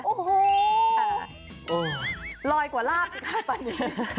โอ้โหลอยกว่าลาบสิครับอันนี้